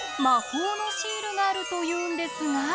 魔法のシールがあるというんですが。